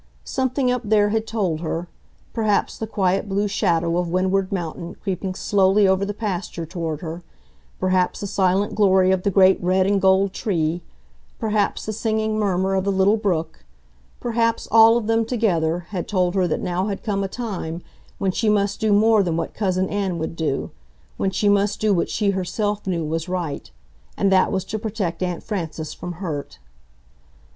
Something up there had told her—perhaps the quiet blue shadow of Windward Mountain creeping slowly over the pasture toward her, perhaps the silent glory of the great red and gold tree, perhaps the singing murmur of the little brook—perhaps all of them together had told her that now had come a time when she must do more than what Cousin Ann would do—when she must do what she herself knew was right. And that was to protect Aunt Frances from hurt.